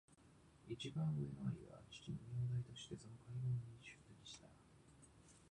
私の一番上の兄が父の名代としてその会合に出席した。